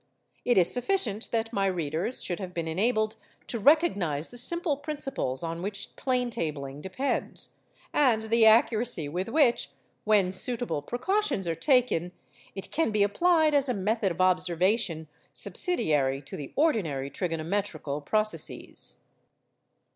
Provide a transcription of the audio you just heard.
It is sufficient that my readers should have been enabled to recognise the simple principles on which plane tabling depends, and the accuracy with which (when suitable precautions are taken) it can be applied as a method of observation subsidiary to the ordinary trigonometrical processes.